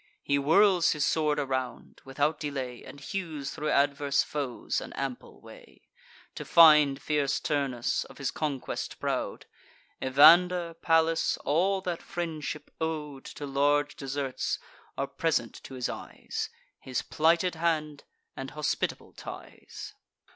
He whirls his sword around, without delay, And hews thro' adverse foes an ample way, To find fierce Turnus, of his conquest proud: Evander, Pallas, all that friendship ow'd To large deserts, are present to his eyes; His plighted hand, and hospitable ties.